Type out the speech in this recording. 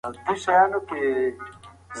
مثبتې پایلې د پرمختګ لامل ګرځي.